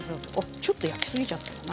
ちょっと焼きすぎちゃったかな。